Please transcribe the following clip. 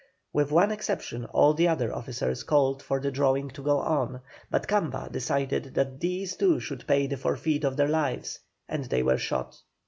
With one exception all the other officers called for the drawing to go on, but Camba decided that these two should pay the forfeit of their lives, and they were shot.